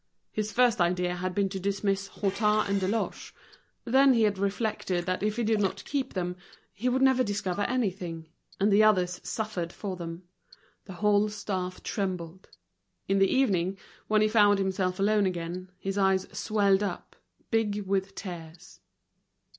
His first idea had been to dismiss Hutin and Deloche; then he had reflected that if he did not keep them, he would never discover anything; and the others suffered for them: the whole staff trembled. In the evening, when he found himself alone again, his eyes swelled up, big with tears.